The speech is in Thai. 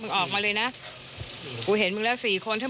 แล้วก็ลุกลามไปยังตัวผู้ตายจนถูกไฟคลอกนะครับ